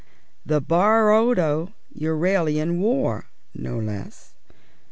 "The Barodo Euralian War" no less.